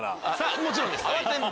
もちろんです。